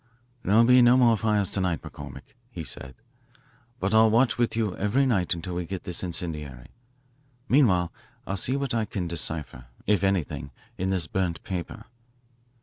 "There'll be no more fires to night, McCormick," he said. "But I'll watch with you every night until we get this incendiary. Meanwhile I'll see what I can decipher, if anything, in this burnt paper."